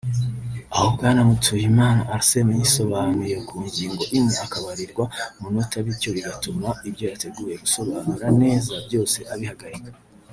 -Aho bwana Mutuyimana Anserme yisobanuye ku ngingo imwe akabarirwa umunota bityo bigatuma ibyo yateguye gusobanura neza byose abihagarika